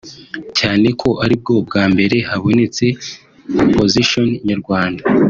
cyane ko aribwo bwa mbere habonetse “opposition” nyarwanda